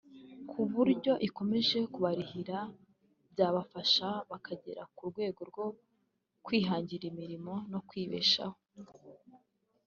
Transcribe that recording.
ku buryo ikomeje kubarihirira byabafasha bakagera ku rwego rwo kwihangira imirimo no kwibeshaho